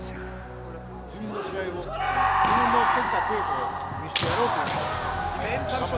自分の試合を自分のしてきた稽古を見せてやろうと。